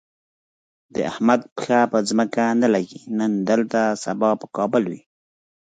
د احمد پښه په ځمکه نه لږي، نن دلته سبا په کابل وي.